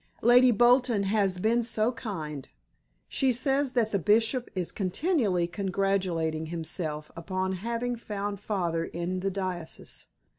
Lady Bolton has been so kind. She says that the Bishop is continually congratulating himself upon having found father in the diocese.